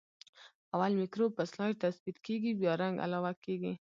اول مکروب په سلایډ تثبیت کیږي بیا رنګ علاوه کیږي.